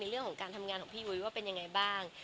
เรื่องของการทำงานของพี่ยุ้ยว่าเป็นยังไงบ้าง